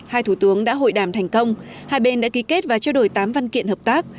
hai thủ tướng đã hội đàm thành công hai bên đã ký kết và trao đổi tám văn kiện hợp tác